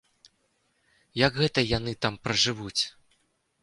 Як гэта яны там пражывуць?